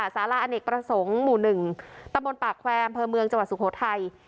สารอเอนกประสงค์หมู่หนึ่งตรรมนต์ปากแควร์มเจาะสุโขทัย